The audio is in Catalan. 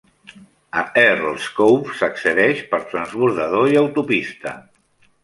A Earls Cove s'accedeix per transbordador i autopista.